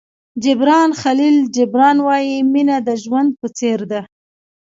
جبران خلیل جبران وایي مینه د ژوند په څېر ده.